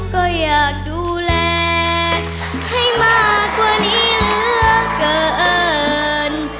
ก็อยากดูแลให้มากกว่านี้เหลือเกิน